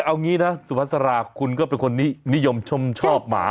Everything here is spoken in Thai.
เอางี้นะสุภาษาราคุณก็เป็นคนนิยมชมชอบหมา